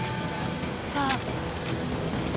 さあ。